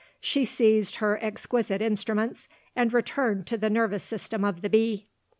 She seized her exquisite instruments, and returned to the nervous system of the bee.